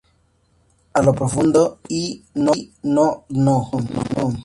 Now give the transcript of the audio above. A lo profundo..."" y ""¡no... nono, nono...!